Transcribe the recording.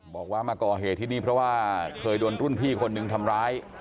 บอกว่ามาก่อเหตุที่นี่เพราะว่าเคยโดนรุ่นพี่คนนึงทำร้าย